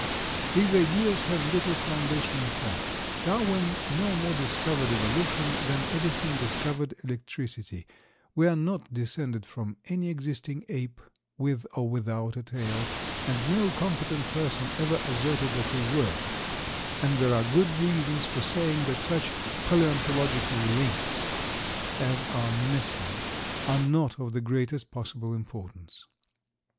These ideas have little foundation in fact. Darwin no more discovered Evolution than Edison discovered electricity; we are not descended from any existing ape, with or without a tail, and no competent person ever asserted that we were; and there are good reasons for saying that such palaeontological "links" as are missing are not of the greatest possible importance.